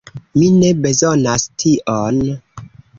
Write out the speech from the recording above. Mi ne bezonas tion.